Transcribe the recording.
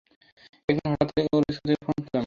একদিন হঠাৎ ওর স্কুল থেকে ফোন পেলাম।